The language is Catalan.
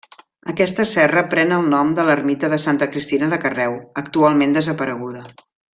Aquesta serra pren el nom de l'ermita de Santa Cristina de Carreu, actualment desapareguda.